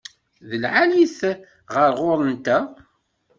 D lεali-t ɣer ɣur-nteɣ.